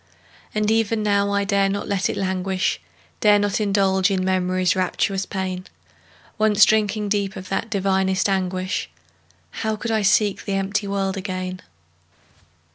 And even now, I dare not let it languish, Dare not indulge in Memory's rapturous pain; Once drinking deep of that divinest anguish, How could I seek the empty world again?